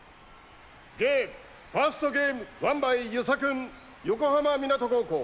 ゲームファーストゲームワンバイ遊佐君横浜湊高校。